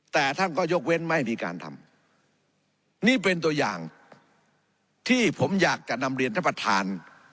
แต่ท่านก็ยกเว้นไม่มีการทำนี่เป็นตัวอย่างที่ผมอยากจะนำเรียนท่านประธาน